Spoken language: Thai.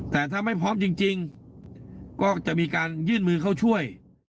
แต่ถ้าไม่พร้อมจริงก็จะมีการยื่นมือเข้าช่วย